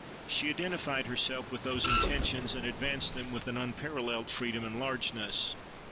She identified herself with those intentions and advanced them with an unparalleled freedom and largeness.